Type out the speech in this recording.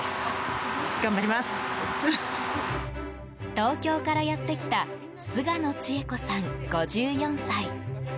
東京からやってきた菅野千恵子さん、５４歳。